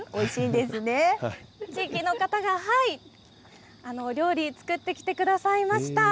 地域の方が料理、作ってきてくださいました。